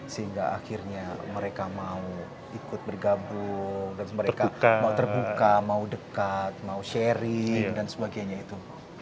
sehingga akhirnya mereka mau ikut bergabung terus mereka mau terbuka mau dekat mau sharing dan sebagainya itu